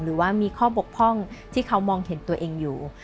หรือว่ามีข้อบกพร่องที่เขามองเห็นตัวเองอยู่